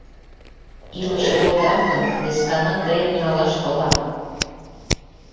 Илыше кодам гын, вескана тыйым налаш толам.